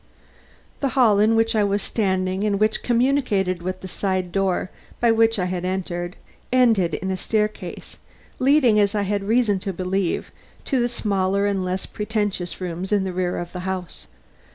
The hall in which I was standing and which communicated with the side door by which I had entered, ended in a staircase, leading, as I had reason to believe, to the smaller and less pretentious rooms in the rear of the house.